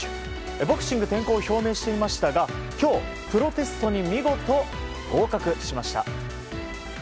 ボクシング転向を表明していましたが今日、プロテストに見事合格しました。